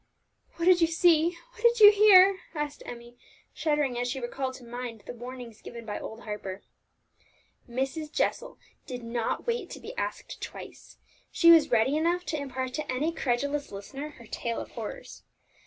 "What did you see, what did you hear?" asked Emmie, shuddering as she recalled to mind the warnings given by old Harper. Mrs. Jessel did not wait to be asked twice; she was ready enough to impart to any credulous listener her tale of horrors.